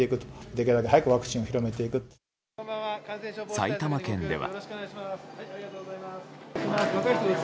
埼玉県では。